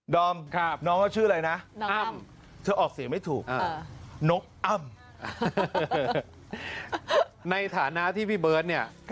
ดอมครับน้องชื่ออะไรนะน้ำเธอออกเสียไม่ถูกนกอ้ำในฐานะที่พี่เบิ้ลเนี่ย